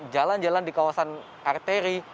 jalan jalan di kawasan arteri